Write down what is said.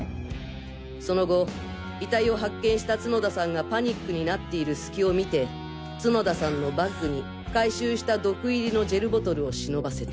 その後遺体を発見した角田さんがパニックになっている隙を見て角田さんのバッグに回収した毒入りのジェルボトルを忍ばせた。